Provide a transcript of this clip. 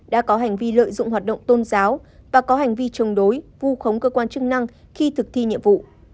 đã có hành vi lợi dụng hoạt động tôn giáo và có hành vi chống đối vu khống cơ quan chức năng khi thực thi nhiệm vụ